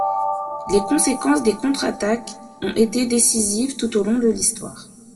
Les conséquences des contre-attaques ont été décisives tout au long de l’histoire.